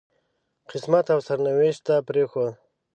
قسمت او سرنوشت ته پرېښود.